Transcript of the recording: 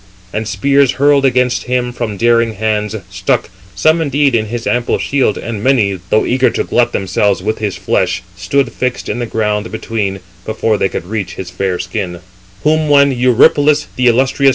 And spears hurled against him from daring hands, stuck, some indeed in his ample shield, and many, though eager to glut themselves with his flesh, stood fixed in the ground between, before they could reach his fair skin.